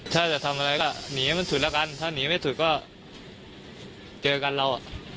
ถ้าจะทำอะไรก็หนีให้มันสุดแล้วกันถ้าหนีไม่สุดก็เจอกันเรา